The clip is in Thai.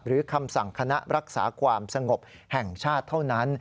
คำสั่งคณะรักษาความสงบแห่งชาติเท่านั้น